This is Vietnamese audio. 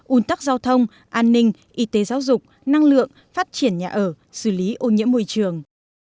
un tắc giao thông an ninh y tế giáo dục năng lượng phát triển nhà ở xử lý ô nhiễm môi trường